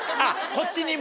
こっちにも？